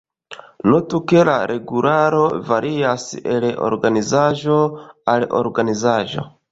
Notu ke la regularo varias el organizaĵo al organizaĵo.